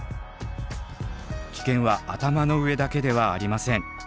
危険は頭の上だけではありません。